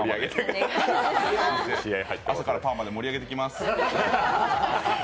朝からパーマで盛り上げていきます。